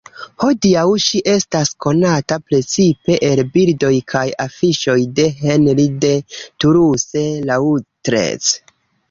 Hodiaŭ ŝi estas konata precipe el bildoj kaj afiŝoj de Henri de Toulouse-Lautrec.